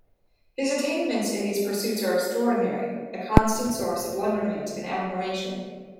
His attainments in these pursuits are extraordinary; a constant source of wonderment and admiration.